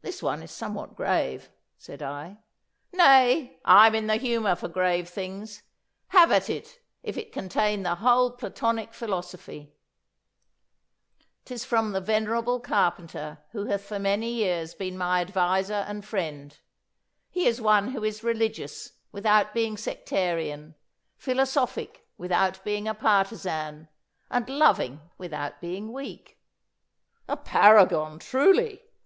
'This one is somewhat grave,' said I. 'Nay, I am in the humour for grave things. Have at it, if it contain the whole Platonic philosophy.' ''Tis from the venerable carpenter who hath for many years been my adviser and friend. He is one who is religious without being sectarian, philosophic without being a partisan, and loving without being weak.' 'A paragon, truly!